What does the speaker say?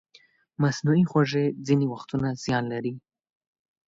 مصنوعي خوږې ځینې وختونه زیان لري.